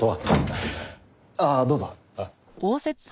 ああどうぞ。